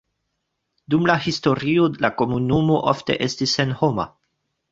Dum la historio la komunumo ofte estis senhoma.